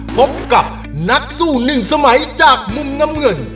พบกับนักสู้หนึ่งสมัยจากมุมน้ำเงิน